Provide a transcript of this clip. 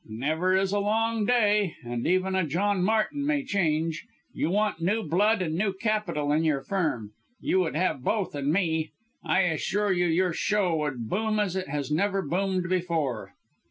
"Never is a long day and even a John Martin may change. You want new blood and new capital in your Firm you would have both in me. I assure you your show would boom as it has never boomed before!"